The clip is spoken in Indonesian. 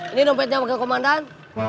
ini dompet nyampe komandan